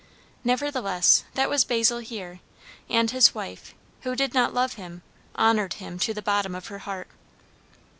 Nevertheless, that was Basil here; and his wife, who did not love him, honoured him to the bottom of her heart.